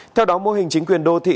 theo đó mô hình chính quyền đô thị